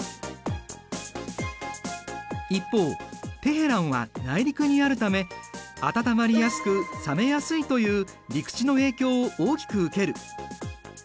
一方テヘランは内陸にあるため温まりやすく冷めやすいという陸地の影響を大きく受ける。